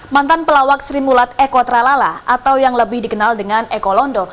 mantan pelawak sri mulat eko tralala atau yang lebih dikenal dengan eko londo